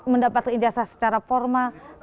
mendapatkan ijazah secara formal